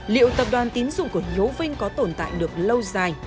liệu tập đoàn tín dụng của hiếu vinh có tồn tại được lâu dài